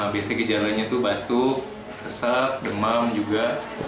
biasanya gejalanya itu batuk sesak demam juga